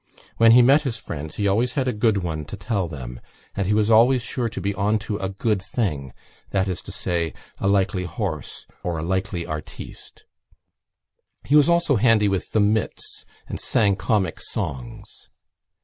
When he met his friends he had always a good one to tell them and he was always sure to be on to a good thing—that is to say, a likely horse or a likely artiste. He was also handy with the mits and sang comic songs.